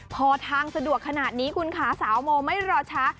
พอทางสะดวกขนาดนี้คุณค่ะสาวโมไม่รอช้า